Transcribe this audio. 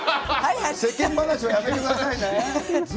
世間話はやめてくださいね。